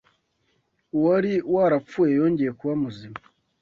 ‘uwari warapfuye yongeye kuba muzima